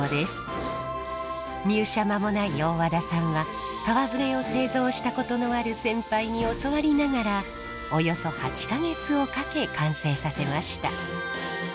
入社間もない大和田さんは川舟を製造したことのある先輩に教わりながらおよそ８か月をかけ完成させました。